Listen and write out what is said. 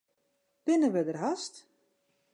Binne wy der hast?